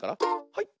はい。